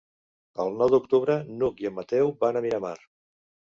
El nou d'octubre n'Hug i en Mateu van a Miramar.